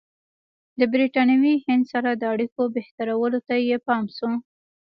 د برټانوي هند سره د اړیکو بهترولو ته یې پام شو.